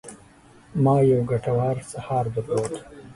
ما یو ګټور سهار درلود.